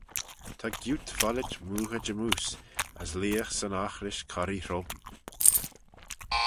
Ta gioot follit mooghey jymmoose, as leagh 'syn oghrish corree hrome.